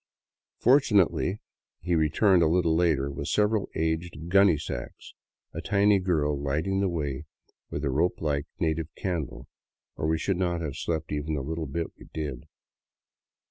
Fortunately he returned a little later with several aged gunny sacks, a tiny girl lighting the way with a rope like native candle, or we should not have slept even the bit we did.